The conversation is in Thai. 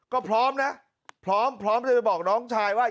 ก็พร้อมนะพร้อมพร้อมจะไปบอกน้องชายว่า